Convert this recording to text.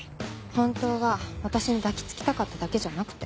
本当は私に抱き付きたかっただけじゃなくて？